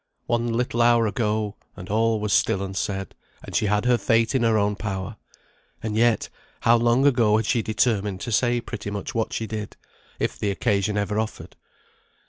One little hour ago, and all was still unsaid, and she had her fate in her own power. And yet, how long ago had she determined to say pretty much what she did, if the occasion ever offered.